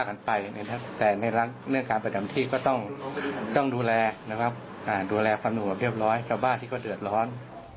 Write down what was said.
ดูแลหนูก็เรียบร้อยก็บ้าที่เขาเดือดร้อน